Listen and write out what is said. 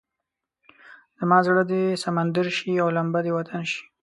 زما زړه دې سمندر شي او لمبه دې وطن شي.